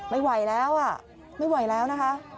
ไม่ไหวแล้วอ่ะไม่ไหวแล้วนะคะ